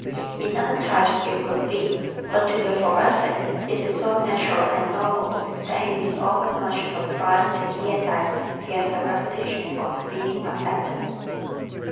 In other types it would be, but to the Thoracic it is so natural and normal that he is often much surprised to hear that he has the reputation of being "affected."